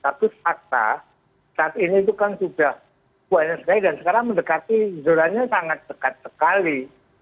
tapi fakta saat ini itu kan sudah banyak sekali dan sekarang mendekati zonanya sangat dekat sekali